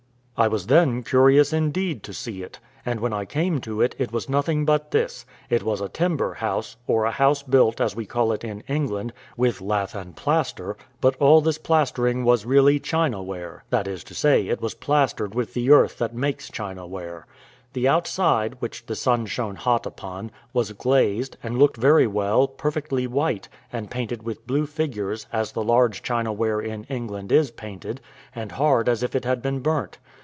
I was then curious, indeed, to see it; and when I came to it, it was nothing but this: it was a timber house, or a house built, as we call it in England, with lath and plaster, but all this plastering was really China ware that is to say, it was plastered with the earth that makes China ware. The outside, which the sun shone hot upon, was glazed, and looked very well, perfectly white, and painted with blue figures, as the large China ware in England is painted, and hard as if it had been burnt.